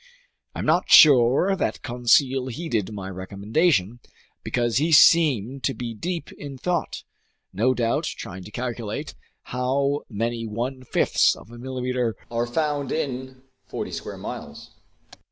I'm not sure that Conseil heeded my recommendation, because he seemed to be deep in thought, no doubt trying to calculate how many one fifths of a millimeter are found in forty square miles.